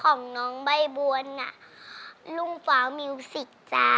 แล้วน้องใบบัวร้องได้หรือว่าร้องผิดครับ